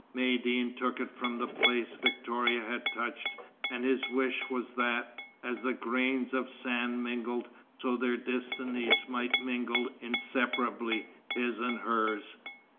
Maïeddine took it from the place Victoria had touched, and his wish was that, as the grains of sand mingled, so their destinies might mingle inseparably, his and hers.